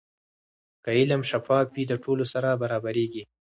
که علم شفاف وي، د ټولو سره برابریږي.